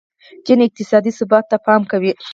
چین اقتصادي ثبات ته پام کوي.